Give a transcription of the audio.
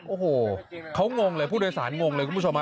โอ้โหเขางงเลยผู้โดยสารงงเลยคุณผู้ชมฮะ